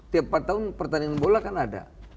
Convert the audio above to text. tiap empat tahun pertandingan bola kan ada